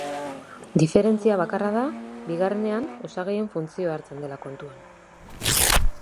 Diferentzia bakarra da bigarrenean osagaien funtzioa hartzen dela kontuan.